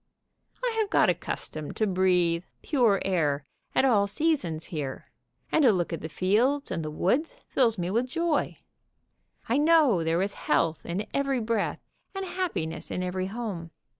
I have got accustomed to breathe pure air at all seasons here, and a look at the fields and the woods fills me with joy. I know there is health in every breath and happiness in every home.